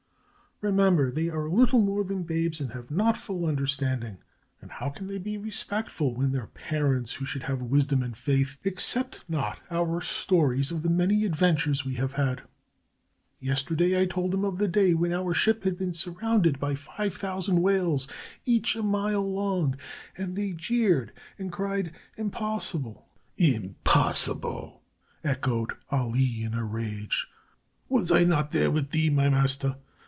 "Remember they are little more than babes and have not full understanding. And how can they be respectful when their parents, who should have wisdom and faith, accept not our stories of the many adventures we have had? Yesterday, I told them of the day when our ship had been surrounded by five thousand whales, each a mile long, and they jeered and cried 'Impossible!'" "Impossible!" echoed Ali, in a rage. "Was I not there with thee, my master?